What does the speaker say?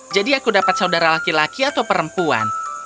jadi aku dapat saudara laki laki atau perempuan